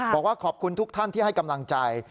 บอกว่าขอบคุณทุกท่านที่ให้กำลังใจ